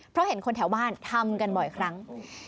เพราะเห็นคนแถวบ้านทำกันบ่อยครั้ง